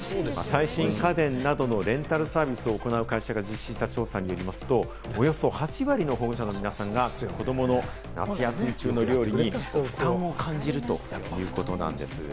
最新家電などのレンタルサービスを行う会社が実施した調査によりますと、およそ８割の保護者の皆さんが、子どもの夏休み中の料理に負担を感じるということなんです。